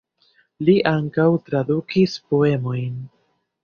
Li ankaŭ tradukis poemojn.